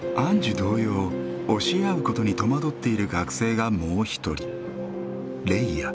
同様教え合うことに戸惑っている学生がもう一人。